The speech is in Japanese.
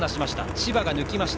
千葉が抜きました。